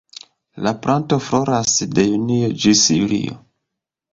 La planto floras de junio ĝis julio.